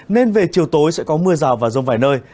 nên về chiều tối sẽ có mưa rào và rông vài nơi